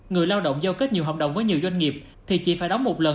người lao động giao kết nhiều hợp đồng với nhiều doanh nghiệp thì chỉ phải đóng một lần